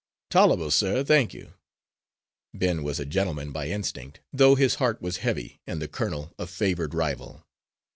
"Tol'able, sir, thank you." Ben was a gentleman by instinct, though his heart was heavy and the colonel a favoured rival.